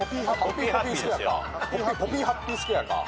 ポピー・ハッピースクエアか。